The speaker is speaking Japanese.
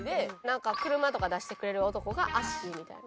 車とか出してくれる男がアッシーみたいな。